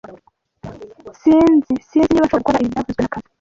S Sinzi S Sinzi niba nshobora gukora ibi byavuzwe na kamanzi